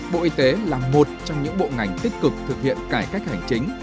bộ y tế là một trong những bộ ngành tích cực thực hiện cải cách hành chính